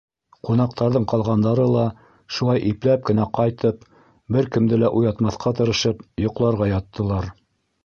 Ҡунаҡтарҙың ҡалғандары ла, шулай ипләп кенә ҡайтып, бер кемде лә уятмаҫҡа тырышып, йоҡларға яттылар.